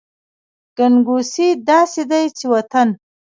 ګنګوسې داسې دي چې وطن …